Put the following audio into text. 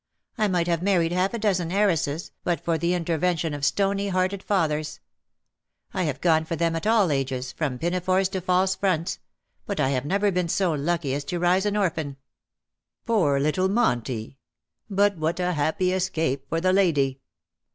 I might have married half a dozen heiresses^ but for the intervention of stony hearted fathers. I have gone for them at all ages^ from pinafores to false fronts ; but I have never been so lucky as to rise an orphan.''^ '' Poor little Monty ! But what a happy escape for the lady.''